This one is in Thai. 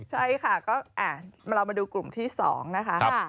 ใช่ค่ะก็เรามาดูกลุ่มที่๒นะคะ